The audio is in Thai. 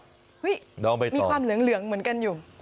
เฮ้ยมีความเหลืองเหมือนกันอยู่น้องไปต่อ